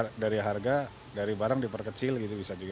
kalau dari harga dari barang diperkecil gitu bisa juga